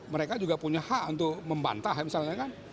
mereka juga punya hak untuk membantah misalnya kan